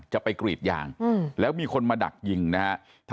จะไปกรีดยางแล้วมีคนมาดักยิงนะฮะ